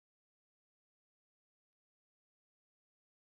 کوناټي يې بوک بوک راوتلي وو.